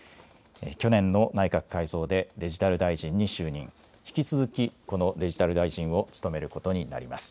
去年の内閣改造でデジタル大臣に就任、引き続きこのデジタル大臣を務めることになります。